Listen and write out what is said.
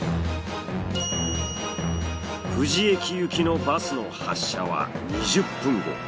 富士駅行きのバスの発車は２０分後。